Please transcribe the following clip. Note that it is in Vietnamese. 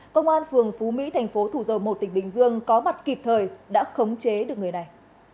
công an phường phú mỹ thành phố thủ dầu một tỉnh bình dương có mặt kịp thời đã khống chế được người này